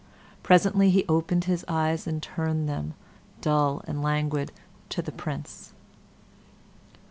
Presently he opened his eyes and turned them, dull and languid, to the Prince.